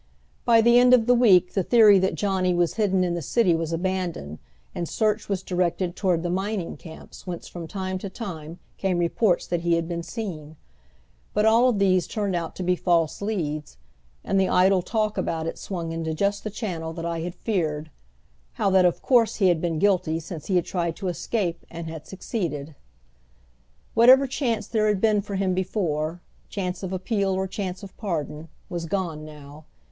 By the end of the week the theory that Johnny was hidden in the city was abandoned, and search was directed toward the mining camps, whence from time to time came reports that he had been seen. But all of these turned out to be false leads, and the idle talk about it swung into just the channel that I had feared how that of course he had been guilty since he had tried to escape and had succeeded. Whatever chance there had been for him before, chance of appeal or chance of pardon, was gone now.